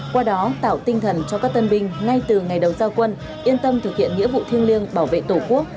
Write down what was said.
qua đó tạo tinh thần cho các tân binh ngay từ ngày đầu giao quân yên tâm thực hiện nghĩa vụ thiêng liêng bảo vệ tổ quốc